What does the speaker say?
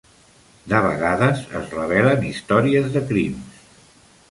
De vegades es revelen històries de crims.